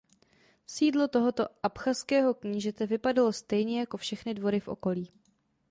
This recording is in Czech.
Sídlo tohoto abchazského knížete vypadalo stejně jako všechny dvory v okolí.